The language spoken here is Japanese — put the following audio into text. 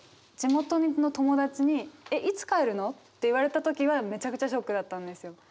地元の友達に「いつ帰るの？」って言われた時はめちゃくちゃショックだったんですよ。